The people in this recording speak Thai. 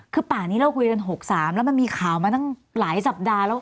คือป่านี้เราคุยกัน๖๓แล้วมันมีข่าวมาตั้งหลายสัปดาห์แล้ว